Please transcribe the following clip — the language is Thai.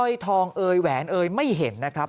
ทองเอยแหวนเอยไม่เห็นนะครับ